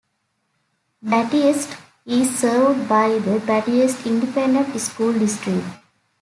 Battiest is served by the Battiest Independent School District.